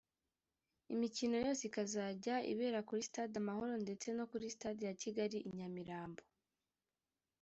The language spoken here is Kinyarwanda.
Imikino yose ikazajya ibera kuri stade Amahoro ndetse no kuri stade ya Kigali i Nyamirambo